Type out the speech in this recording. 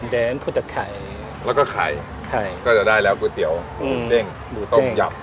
เด้งพูดว่าไข่แล้วก็ไข่ไข่ก็จะได้แล้วก๋วยเตี๋ยวหมูเด้งหมูต้มยำ